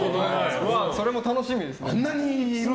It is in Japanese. それも楽しみですね。